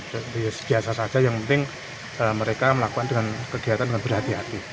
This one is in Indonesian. terus biasa saja yang penting mereka melakukan dengan kegiatan dengan berhati hati